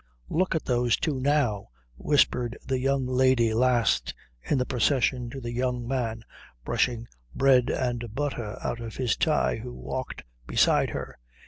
"Look at those two now," whispered the young lady last in the procession to the young man brushing bread and butter out of his tie who walked beside her.